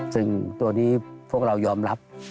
ซึ่งตัวนี้พวกเรายอมรับ